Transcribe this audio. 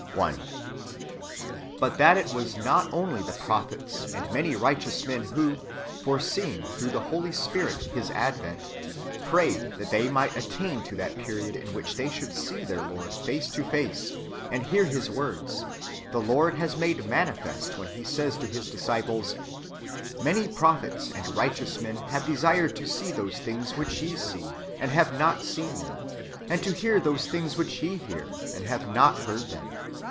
1. But that it w^as not only the prophets and many righteous men, who, foreseeing through the Holy Spirit His advent, prayed that they might attain to that period in which they should see their Lord face to face, and hear His words, the Lord has made manifest, when He says to His disciples, " Many prophets and righteous men have desired to see those things which ye see, and have not seen them; and to hear those things which ye hear, and have not heard them."